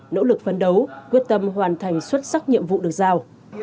nỗ lực phấn đấu quyết tâm hoàn thành xuất sắc nhiệm vụ được giao